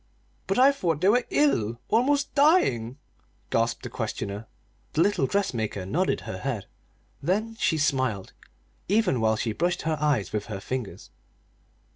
"But I thought they were ill almost dying!" gasped the questioner. The little dressmaker nodded her head. Then she smiled, even while she brushed her eyes with her fingers.